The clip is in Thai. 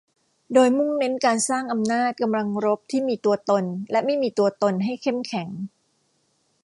โดยมุ่งเน้นการสร้างอำนาจกำลังรบที่มีตัวตนและไม่มีตัวตนให้เข้มแข็ง